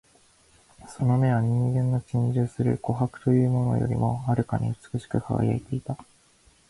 その眼は人間の珍重する琥珀というものよりも遥かに美しく輝いていた